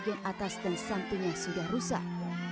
bagian atas dan sampingnya sudah rusak